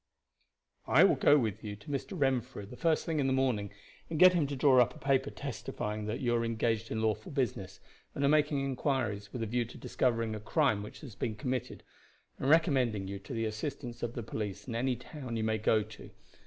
"I will go with you to Mr. Renfrew the first thing in the morning and get him to draw up a paper testifying that you are engaged in lawful business, and are making inquiries with a view to discovering a crime which has been committed, and recommending you to the assistance of the police in any town you may go to.